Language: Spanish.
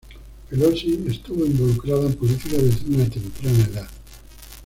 Pelosi estuvo involucrada en política desde una temprana edad.